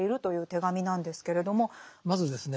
まずですね